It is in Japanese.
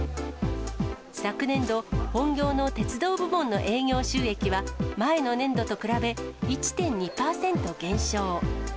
昨年度、本業の鉄道部門の営業収益は前の年度と比べ１．２％減少。